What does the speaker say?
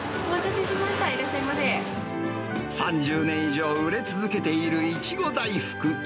３０年以上売れ続けている苺大福。